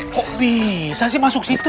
kok bisa sih masuk situ